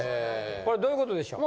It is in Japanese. これどういうことでしょう？